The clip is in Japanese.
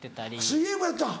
水泳もやってたん？